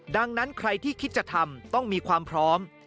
ดังนั้นใครที่คิดจะทำต้องมีความพร้อม